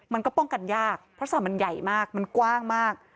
มันก็ป้องกันยากเพราะสระมันใหญ่มากมันกว้างมาก